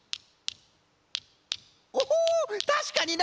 おおたしかにな！